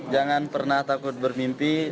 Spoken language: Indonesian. jangan pernah takut bermimpi